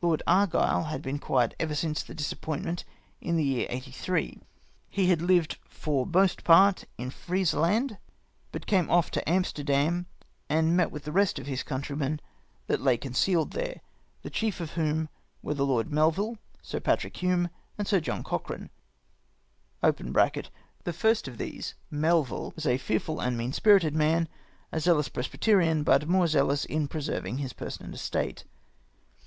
Lord Argile had been quiet ever since the dis a])pointment iu tlie year eighty three. He had lived for ACCOUNT OF THE DUNDONALD FAMILY. 29 most part in Frizelancl, but came oft to Amsterdam, and met with the rest of his countrymen that lay concealed there ; the chief of whom were the Lord Melvill, Sir Patrick Hume, and Sir John Cochran. [The first of these (Melvill) was a fearful and mean spirited man, a zealous presbyterian, but more zealous in preserving his person and estate.